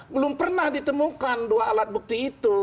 belum pernah ditemukan dua alat bukti itu